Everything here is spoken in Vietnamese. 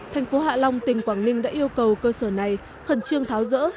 thành phố hạ long tỉnh quảng ninh đã yêu cầu cơ sở này khẩn trương tháo rỡ